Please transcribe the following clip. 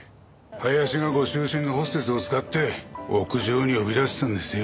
林がご執心のホステスを使って屋上に呼び出したんですよ。